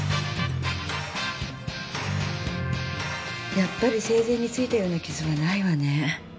やっぱり生前についたような傷はないわね。